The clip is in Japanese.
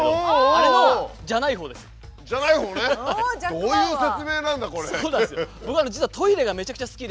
どういう説明なんだこれ。